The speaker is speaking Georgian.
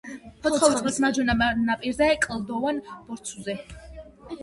ფოცხოვისწყლის მარჯვენა ნაპირზე, კლდოვან ბორცვზე.